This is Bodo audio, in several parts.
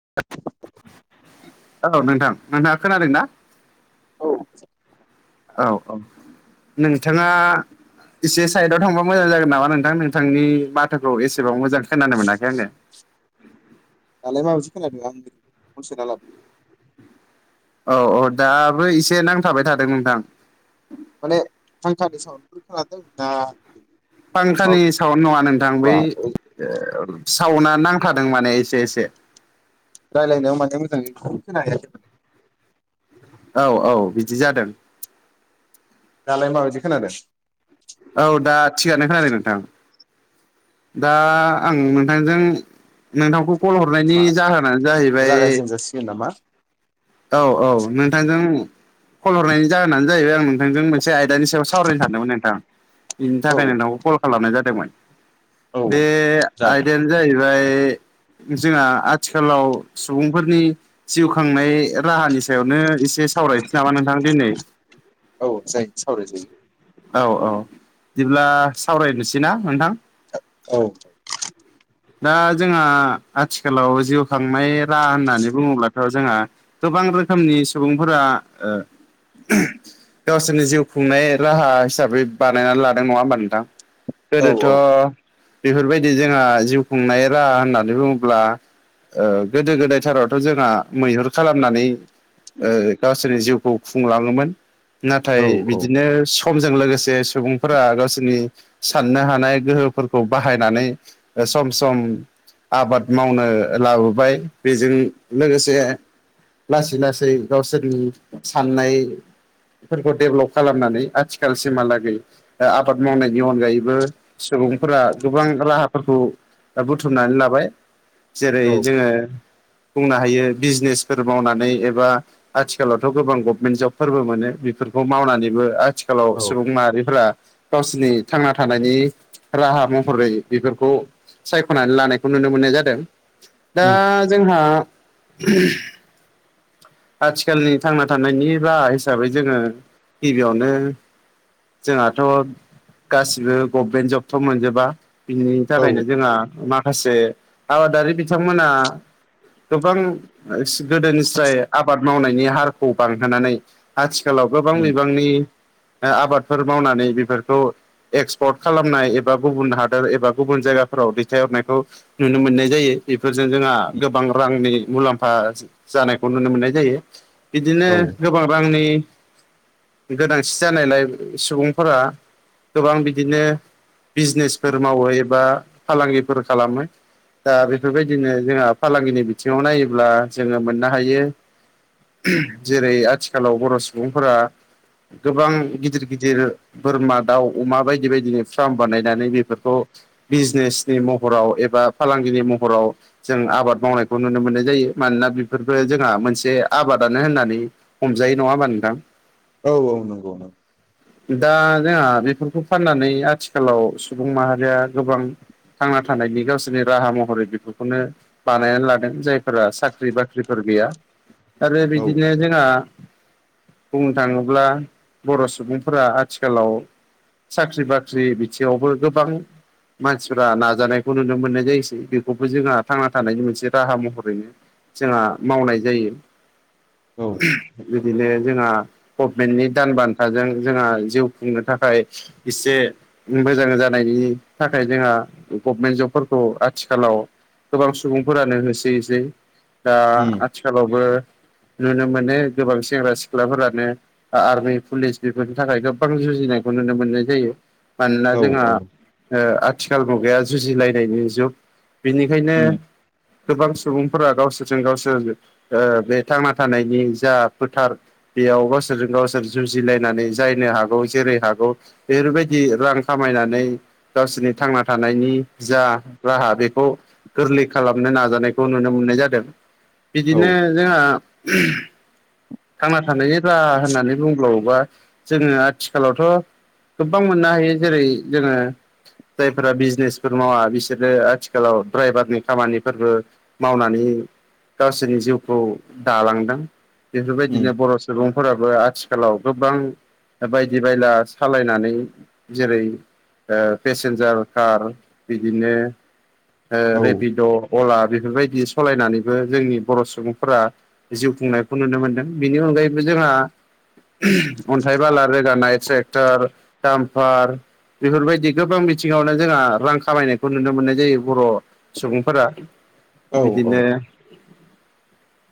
[inaudible] औ नोंथां नोंथांङा खोनादों ना। औ। औ औ नोंथांङा। एसे साइदाव थांबा मोजां जागोन नामा नोंथां नोंथांनि माथोखौ एसेबाव मोजां खोनानो मोनाखै आङो। दालाय माबायदि खोनलाादों [unintelligible] लादों औ औ दाबो एसे नांथाबाय थादों नोंथां। माने [unintelligible] फांखानि सावन नङा नोंथां बै। माबा सावना नांथादों माने एसे एसे। राय्लायनायाव माने मोजांङै [unintelligible] औ औ बिदि जादों। दालाय माबायदि खोनादों। औ दा थिगानो खोनादों नोंथां। दा आं नोंथांजों नोंथांखौ कल हरनायनि जाहोनानो जाहैबाय। जासिगोन नामा। औ औ नोंथांजों खल हरनायनि जाहोनानो जाहैबाय आं नोंथांजों मोनसे। से आयदानि सायाव सावरायनो सानदोंमोन नोंथां बिनि औ थाखाय नोंथांखौ कल खालामनाय जादोंमोन। औ बे जागोन आयदा। जाहैबाय जोंहा आथिखालाव सुबुंफोरनि जिउ खांनाय। राहानि सायावनो एसे सावरायनोसै नामा नोंथां दिनै। औ जायो सावरायजायो औ औ बिदिब्ला सावरायनोसै ना नोंथां। औ। [inaudible] दा जोंहा आथिखालाव जिउ खांनाय राहा होननानै बुङोब्लाथ' जोंहा। गोबां रोखोमनि सुबुंफोरा ओ। गावसोरनि जिउ खुंनाय राहा हिसाबै बानायनानै लादों नङा होमबा नोंथां। औ गोदोथ' बेफोरबायदि जोंहा जिउ खुंनाय राहा होननानै बुङोब्ला। ओ गोदो गोदायथारावथ' जोंहा मैहुर। खालामनानै ओ गावसोरनि जिउखौ खुंलाङोमोन। नाथाय औ बिदिनो। समजों लोगोसे सुबुंफोरा गावसोरनि साननो हानाय गोहोफोरखौ बाहायनानै। सम सम आबाद मावनो लाबोबाय बेजों लोगोसे। लासै लासै गावसोरनि साननाय। फोरखौ डेभलप खालामनानै आथिखालसिमहालागै। ओ आबाद मावनायनि अनगायैबो सुबुंफोरा गोबां राहाफोरखौ। बुथुमनानै लाबाय जेरै औ जोङो बुंनो हायो बिजनेस। फोर मावनानै एबा आथिखालावथ' गोबां गभमेन्ट जब फोरबो मोनो बेफोरखौ मावनानैबो आथि खालाव औ सुबुं माहारिफोरा गावसिनि थांना थानायनि राहा महरै बेफोरखौ सायख'नानै लानायखौ नुनो मोननाय जादों। दा उम जोंहा आथिखालनि थांना थानायनि राहा हिसाबै जोङो गिबियावनो जोंहाथ' गासिबो गभमेन्ट जबथ' मोनजोबा। बिनि औ थाखायनो जोंहा माखासे। आबादारि बिथांमोना गोबां। गोदोनिस्राय आबाद मावनायनि हारखौ बांहोनानै। आथिखालाव गोबां उम बिबांनि आबादफोर मावनानै बेफोरखौ। एक्सपर्ट खालामनाय एबा गुबुन हादोर एबा गुबुन जायगाफोराव दैथायहरनायखौ नुनो मोननाय जायो। बेफोरजों जोंहा गोबां रांनि मुलाम्फा जानायखौ नुनो मोननाय जायो। बिदिनो औ गोबां रांनि गोनांसि जानायलाय सुबुंफोरा गोबां बिदिनो बिजनेसफोर मावो एबा फालांगिफोर खालामो। दा बेफोरबायदिनो जोंहा फालांगिनि बिथिङाव नायोब्ला जोङो मोननो हायो जेरै आथिखालाव बर' सुबुंफोरा गोबां गिदिर गिदिर बोरमा दाउ अमा बायदि बायदिनि फार्म बानायनानै बेफोरखौ बिजनेसनि महराव एबा फालांगिनि महराव जों आबाद मावनायखौ नुनो मोननाय जायो। मानोना बेफोरफोरखौ जोंहा मोनसे आबादानो होननानै हमजायो नङा होमबा नोंथां? औ औ नंगौ नंगौ। दा जोंहा बेफोरखौ फाननानै आथिखालाव सुबुं माहारिया गोबां थांना थानायनि गावसोरनि राहा महरै बेफोरखौनो बानायनानै लादों। जायफोरा साख ख्रि बाख्रिफोर गैया आरो औ बिदिनो जोंहा बुंनो थाङोब्ला बर' सुबुंफोरा आथिखालाव साख्रि बाख्रि बिथिङावबो गोबां मानसिफ्रा नाजानायखौ नुनो मोननाय जायोसै बेखौबो जोंहा थांना थानायनि मोनसे राहा महरै जोंहा मावनाय जायो। औ। बिदिनो जोंहा गभमेन्टनि दान बान्थाजों जोंहा जिउ खुंनो थाखाय इसे मोजां जानायनि थाखाय जोंहा गभमेन्ट जबफोरखौ आथिखालाव गोबां सुबुंफोरानो होसोयैसै। दा उम आथिखालावबो नुनो मोनो गोबां सेंग्रा सिख्लाफोरानो आआर्मि पुलिस बेफोरनि थाखाय गोबां जुजिनायखौ नुनो मोननाय जायो। मानोना औ जोंहा औ ओ आथिखाल मुगैाया जुजिलायनायनि जुग। बेनिखायनो उम गोबां सुबुंफोरा गावसोर जों गावसोर ओ बे थांना थानायनि जा फोथार बेयाव गावसोरजों गावसोर जुजिलायनानै जायनो हागौ जेरै हागौ ओरैबायदि रां खामायनानै गावसोरनि थांना थानायनि जा राहा बेखौ गोरलै खालामनो नाजानायखौ नुनो मोननाय जादों। औ बिदिनो जोंहा थांना थानायनि राहा होननानै बुंबावोबा जोङो आथिखालावथ' गोबां मोननो हायो। जेरै जोङो जायफोरा बिजनेसफोर मावा बिसोरो आथिखालाव ड्राइभारनि खामानिफोरबो मावनानै गावसोरनि जिउखौ दालांदों। उम बेफोरबायदिनो बर' सुबुंफोराबो आथिखालाव गोबां बायदि बायला सालायनानै जेरै ओ पेसेन्जार कार बिदिनो ओ औ रेपिड' अला बेफोरबायदि सालायनानैबो जोंनि बर' सुबुंफोरा जिउ खुंनाय खौ नुनो मोनदों बिनि अनगायैबो जोंहा अन्थाइ बाला रोगानाय ट्रे ओर दामफार बेफोरबायदि गोबां बिथिङावनो जोंहा रां खामायनायखौ नुनो मोननाय जायो बर' सुबुंफोरा औ बिदिनो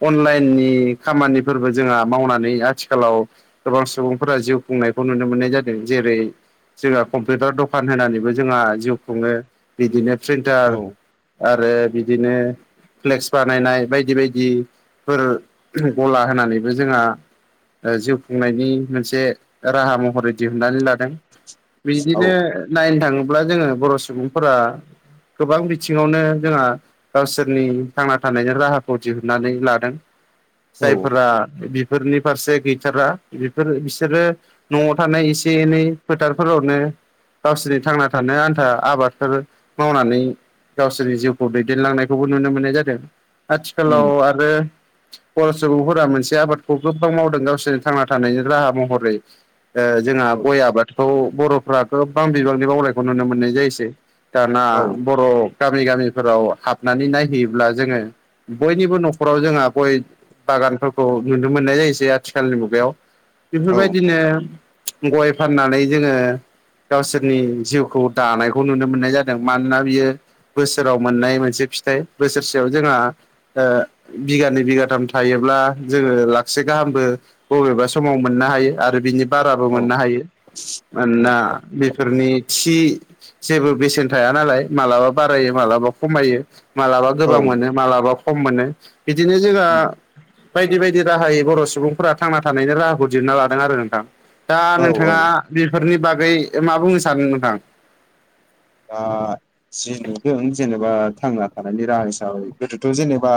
अनलाइननि खामानिफोरबो जोंहा मावनानै आथिखालाव गोबां सुबुंफोरा जिउ खुंनायखौ नुनो मोननाय जादों। जेरै जोंहा कम्पिउटार दखान होनानैबो जोंहा जिउ खुङो बिदिनो प्रिन्टार औ आरो बिदिनो फ्लेक्स बानायनाय बायदि बायदि फोर गला होनानैबो जोंहा ओ जिउ खुंनायनि मोनसे राहा महरै दिहुननानै लादों। बिदिनो नायनो थाङोब्ला जोङो बर' सुबुंफोरा गोबां बिथिङावनो जोंहा गावसोरनि थांना थानायनि राहाखौ दिहुननानै लादों। औ जायफोरा बेफोरनि फारसे गैथारा बेफोर बिसोरो न'आव थानाय एसे एनै फोथारफोरावनो गावसोरनि थांना थानो आन्था आबादफोर मावनानै गावसोरनि जिउखौ दैदेनलांनायखौबो नुनो मोननाय जादों आथिखालाव उम आरो बर' सुबुंफोरा मोनसे आबादखौ गोबां मावदों गावसोरनि थांना थानायनि राहा महरै ओ जोंहा गय आबादखौ बर'फ्राथ' गोबां बिबांनि मावनायखौ नुनो मोननाय जायोसै दाना औ बर' गामि गामिफोराव हाबनानै नायहैयोब्ला जोङो बयनिबो न'खराव जोंहा गय बागानफोरखौ नुनो मोननाय जायोसै आथिखालनि मुगायाव औ बेफोरबायदिनो गय फाननानै जोङो गावसोरनि जिउखौ दानायखौ नुनो मोननाय जादों मानोना बियो बोसोराव मोननाय मोनसे फिथाइ बोसोरसेयाव जोंहा ओ बिगानै बिगाथाम थायोब्ला जोङो लाकसे गाहामबो बबेबा समाव मोननो हायो आरो बिनि बाराबो औ मोननो हायो उम मानोना बेफोरनि थि जेबो बेसेन थाया नालाय मालाबा बारायो मालाबा खमायो। मालाबा औ गोबां मोनो मालाबा खम मोनो बिदिनो जोंहा उम बायदि बायदि राहायै बर' सुबुंफोरा थांना थानायनि राहाखौ दिहुनना लादों आरो नोंथां। दा औ नोंथाङा औ बेफोरनि बागै मा बुंनो सानो नोंथां? दा जि नुदों जेनेबा थांना थानायनि राहा हिसाबै गोदोथ' जेनेबा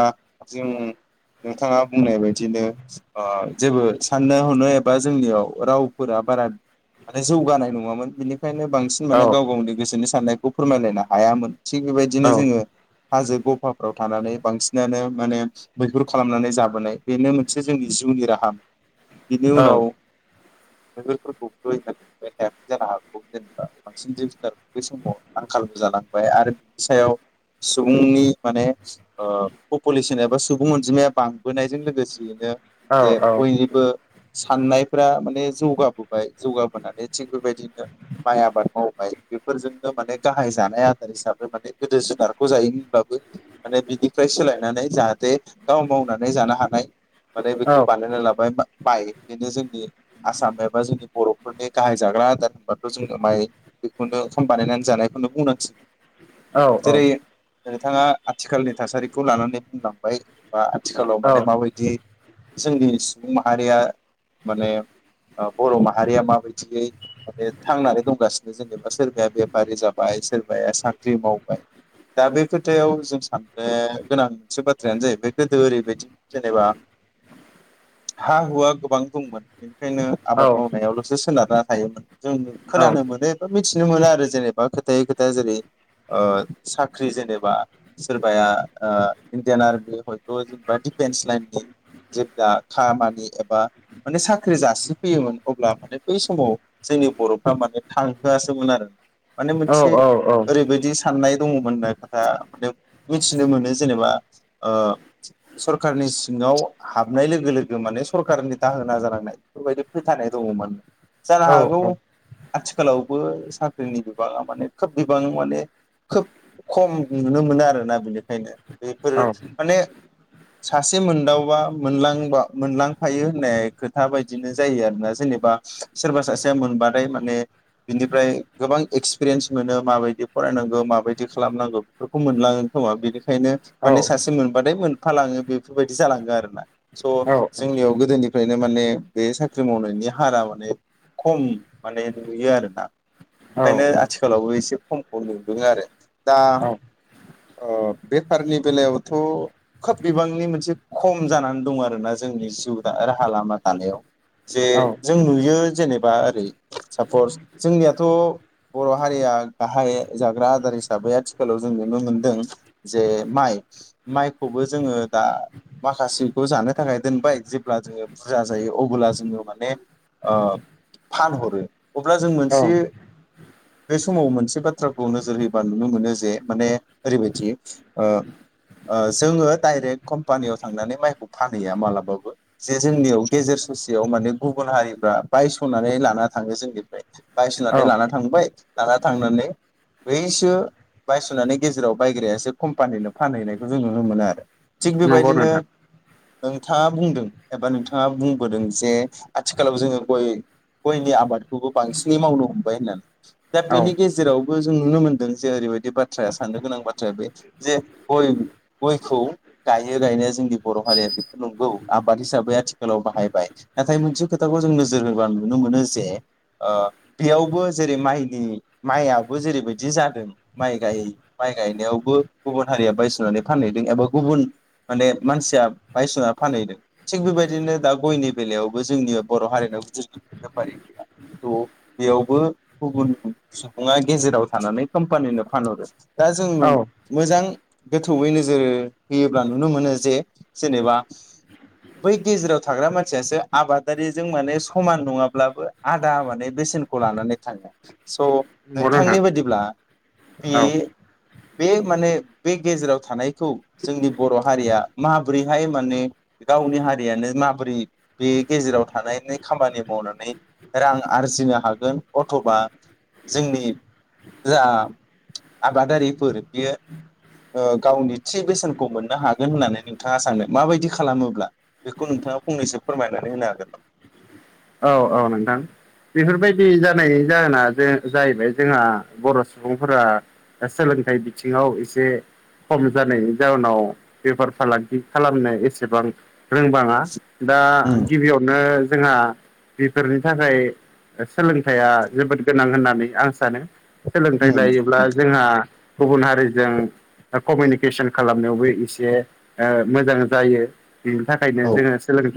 जों नोंथाङा बुंनाय बायदिनो ओ जेबो साननो हनो एबा जोंनियाव रावफोरा बारा माने जौगानाय नङामोन बेनिखायनो बांस सिन माने औ गाव गावनि गोसोनि साननायखौ फोरमायलायनो हायामोन थिग बेबायदिनो औ जोङो हाजो गफाफ्राव थानानै बांसिनानो माने मैहुर खालामनानै जाबोनाय बेनो मोनसे जोंनि जिउनि राहामोन बेनि औ उनाव मैहुरफोरखौ [unintelligible] थानो हायामोन जानो हागौ जेनेबा बांसिन जिब जुनार बै समाव आंखालबो जालांबाय आरो बिनि सायाव सुबुंनि माने ओ पपुलेसन एबा सुबुं अनजिमाया बांबोनायजों लोगोसेयैनो जे बयनि बो साननायफ्रा माने जौगाबोबाय जौगाबोनानै थिग बेबायदिनो माय आबाद मावबाय बेफोरजोंनो माने गाहाय जानाय आदार हिसाबै माने गोदो जुनारखौ जायोमोन ब्लाबो माने बिनिफ्राय सोलायनानै जाहाथे गाव मावनानै जानो हानाय माने औ बेखौ बानायना लाबाय बा बाय बेनो जोंनि आसाम एबा जोंनि बर'फोरनि गाहाय जाग्रा आदार होनबाथ' जोङो माइ मोनो खाम बानायनानै जानायखौनो बुंनांसिगोन औ जेरै नोंथाङा आथिखालनि थासारिखौ लानानै बुंलांबाय बा आथिखालाव माने औ माबायदि जे जोंनि सुबुं माहारिया माने बर' माहारिया माबायदियै माने थांनानै दंगासिनो जेने सोरबाया बेफारि जाबाय सोरबाया साख्रि मावबाय दा बे खोथायाव जों साननो गोनां मोनसे बाथ्रायानो जाहैबाय गोदो ओरैबायदि जेनेबा हा हुवा गोबां खममोन बेनिखायनो औ आबाद मावनायावल'सो सोनारना थायोमोन जों औ खोनानो मोनो ओ मिथिनो मोनो आरो जेनेबा खोथायै खोथा जेरै ओ साख्रि जेनेबा सोरबाया ओ इण्डियान आर्मि हयथ' जेनबा दिडिफेन्स लाइननि जेब्ला खामानि एब बा माने साख्रि जासिफैयोमोन अब्ला माने बै समाव जोंनि बर'फ्रा माने थां नोआसोमोन आरो माने औ मोनसे ओरैबायदिस साननाय दङ मोननो जोंहा माने मिथिनो मोनो जेनेबा ओ सरखारनि सिङाव हाबनाय लोगो लोगो माने सरखारनि दाहोना जानांनाय। बेफोरबायदि फोथायनाय दङमोन जानो हागौ आथिखालाव बो साख्रिनि बिबाङा माने खोब बिबां माने खोब खम नुनो मोनो आरोना बेनिखायनो बेफोरो माने [inaudible] सासे मोनदावबा मोनलांबा मोनलांफायो होननाय खोथा बायदिनो जायो आरोना जेनेबा सोरबा सासेया मोनबाथाय माने बिनिफ्राय गोबां एक्सपिरियेन्स मोनो माबायदि फरायनांगौ माबायदि खालामनांगौ बेफोरखौ मोनलाङो खोमा बेनिखायनो माने सासे मोनबाथाय मोनफालाङो बेफोरबायदि जालाङो आरोना स' जोंनियाव गोदोनि ओफ्रायनो माने बे साख्रि मावनायनि हारा माने खम माने नुयो आरोना ओंखायनो आथिखालावबो एसे खमखौ नुदों आरो दा बेफारनि बेलायावथ' खोब बिबांनि मोनसे खम जानानै दं आरो ना जोंनि जिउ राहा लामा दानायाव जे औ जों नुयो जेनेबा ओरै सापस जोंनियाथ' बर' हारिया गाहाय जाग्रा आदार हिसाबै आथिखालाव जों नुनो मोनदों जे माइ माइखौबो जोङो दा माखासेखौ जानो थाखाय दोनबाय जेब्ला जोङो बुरजा जायो अब्ला जोङो माने फानहरो अब्ला जों औ औ मोनसे बे समाव मोनसे बाथ्राखौ नोजोर होयोबा नुनो मोनो जे माने ओरैबायदि जोङो डाइरेक्ट कम्पानियाव थांनानै माइखौ फानहैया मालाबाबो जे जोंनियाव गेजेर ससेयाव माने गुबुन हारिफ्रा बायस'नानै लाना थाङो जों निफ्राय बायसननानै औ लाना थांबाय लाना थांनानै बैसो बायस'नानै गेजेराव बायग्रायासो कम्पानिनो फानहैनायखौ जों नुनो मोनो आरो थिग नंगौ बेबायदिनो नोंथां नोंथाङा बुंदों एबा नोंथाङा बुंबोदों जे आथिखालाव जोङो गय गयनि आबाद खौबो बांसिनै मावनो हमबाय होननानै दा औ बेनि गेजेरावबो जों नुनो मोनदों जे ओरैबाय दि बाथ्राया साननो गोनां बाथ्राया बे जे गय गयखौ गायो गायनाया जोंनि बर' हारिया नंगौ आबाद हिसाबै आथिखालाव बाहायबाय नाथाय मोनसे खोथाखौ जों नोजोर होबा नुनो मोनो जे बेयावबो जेरै माइनि माइयाबो जेरैबायदि जादों माइ गाय माइ गायनायावबो गुबुन हारिया बायस'नानै फानहैदों एबा गुबुन माने मानसिया बायसना फानहैदों थिग बेबायदिनो दा गयनि बेलायावबो जोंनि बर' हारिनाव बिदि बेफारि गैया। थ' बेयावबो गुबुन सुबुङा गेजेराव थानानै कम्पानिनो फानहरो। दा जों नुनो औ मोजां गोथौयै नोजोर होयोब्ला नुनो मोनो जे जेनेबा बै गेजेराव थाग्रा मानसियासो आबादारिजों माने समान नङाब्लाबो आ लादा माने बेसेनखौ लानानै थाङो स' नंगौ नोंथांनि नोंथां बायदिब्ला बे औ बे माने बे गेजेराव थानायखौ जोंनि बर' हारिया माबोरैहाय माने गावनि हारियानो माबोरै बे गेजेराव थानायनि खामानि मावनानै रां आरजिनो हागोन अथ'बा जोंनि जा आबादारिफोर बियो गावनि थि बेसेनखौ मोननो हागोन होननानै नोंथाङा सानदों माबायदि खालामोब्ला? बेखौ नोंथाङा फंनैसो फोरमायनानै होनो हागोन नामा? औ औ नोंथां बेफोरबायदि जानायनि जाहोना जों जाहैबाय जोंहा बर' सुबुंफोरा दा सोलोंथाइ बिथिङाव एसे खम जानायनि जाउनाव बेफार फालांगि खालामनो एसेबां रोंबाङा दा नामा? गिबियावनो जोंहा बेफोरनि थाखाय सोलोंथाइया जोबोद गोनां होननानै आं सानो सोलोंथाइ उम लायोब्ला उम जोंहा गुबुन हारिजों कमिनिकेसन खालामनायावबो एसे मोजां जायो बिनि थाखायनो औ जोङो सोलोंथा